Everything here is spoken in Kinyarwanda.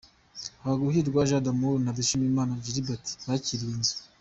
Habaguhirwa Jean D'amour na Dushimimana Gilbert bakiriye inzu.